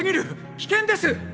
危険です！